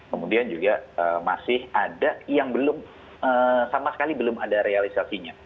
kemudian juga masih ada yang belum sama sekali belum ada realisasinya